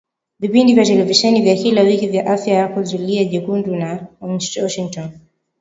vipindi vya televisheni vya kila wiki vya Afya Yako Zulia Jekundu na Washingotn